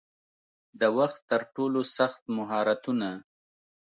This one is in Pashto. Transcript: د وخت ترټولو سخت مهارتونه